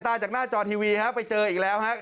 จากหน้าจอทีวีครับไปเจออีกแล้วฮะ